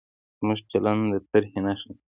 زموږ چلند د ترهې نښه ده.